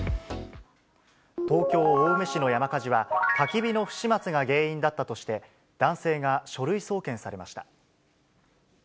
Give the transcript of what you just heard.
東京・青梅市の山火事は、たき火の不始末が原因だったとして、男性が書類送検されました。